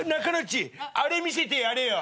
ちあれ見せてやれよ。